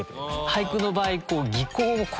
俳句の場合。